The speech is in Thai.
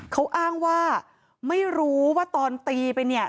เขาอ้างว่าไม่รู้ว่าตอนตีไปเนี่ย